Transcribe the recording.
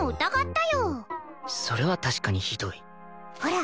それは確かにひどいほら！